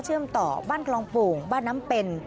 เชื่อมต่อบ้านกล่องปูงบ้านน้ำเป็น